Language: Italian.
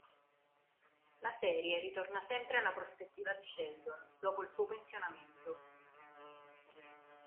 La serie ritorna sempre alla prospettiva di Sheldon, dopo il suo pensionamento.